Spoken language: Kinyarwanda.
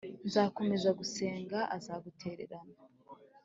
nzakomeza gusenga azagutererana